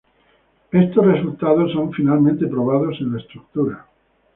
Estos resultados son finalmente probados en la estructura.